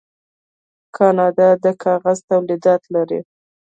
کاناډا د کاغذ تولیدات لري.